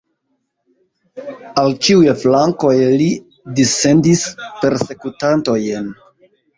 Al ĉiuj flankoj li dissendis persekutantojn.